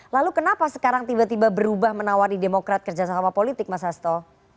lalu kenapa sekarang tiba tiba berubah menawari demokrat kerjasama politik mas hasto